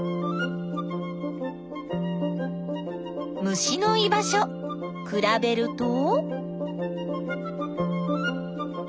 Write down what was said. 虫の居場所くらべると。